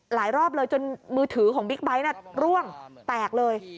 รอบเลยจนมือถือของบิ๊กไบท์ร่วงแตกเลย